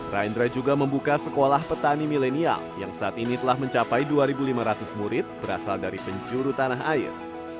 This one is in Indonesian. raindra juga membuka sekolah petani milenial yang saat ini telah mencapai dua lima ratus murid berasal dari penjuru tanah air